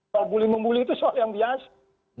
kalau bully membully itu soal yang biasa